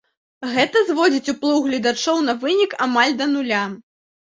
Гэта зводзіць уплыў гледачоў на вынік амаль да нуля.